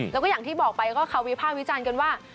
แล้วก็อย่างที่บอกไปก็เขาวิภาควิจารณ์กันว่า